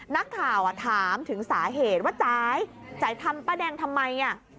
นักข่าวถามถึงสาเหตุว่าจ่ายจ่ายทำป้าแดงทำไม